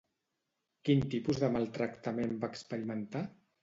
Quin tipus de maltractament va experimentar?